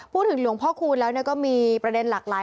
หลวงพ่อคูณแล้วก็มีประเด็นหลากหลาย